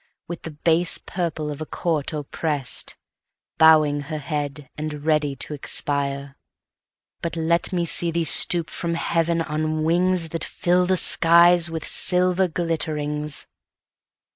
With the base purple of a court oppress'd, Bowing her head, and ready to expire:But let me see thee stoop from heaven on wingsThat fill the skies with silver glitterings!